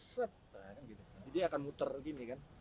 set jadi akan muter gini kan